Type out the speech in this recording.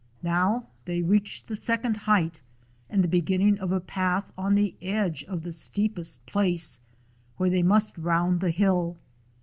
Now they reached the second height and the beginning of a path on the edge of the steepest place, where they must round the hill.